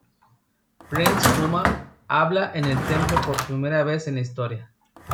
Prince Puma habla en el templo por primera vez en la historia.